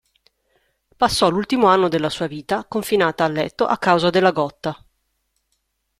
Passò l'ultimo anno della sua vita confinata a letto a causa della gotta.